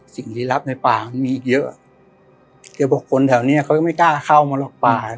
สิ่งที่รับในป่ามันมีอีกเยอะแกบอกคนแถวเนี้ยเขาก็ไม่กล้าเข้ามาหรอกป่า